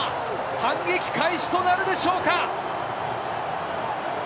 反撃開始となるでしょうか。